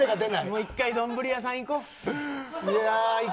もう一回丼ぶり屋さんいこう。